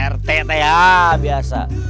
rt itu ya biasa